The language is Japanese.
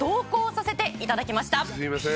すいません。